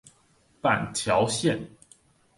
板橋線